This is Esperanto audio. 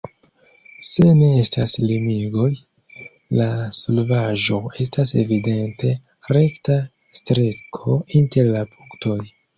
Se ne estas limigoj, la solvaĵo estas evidente rekta streko inter la punktoj.